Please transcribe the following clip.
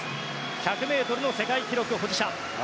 １００ｍの世界記録保持者。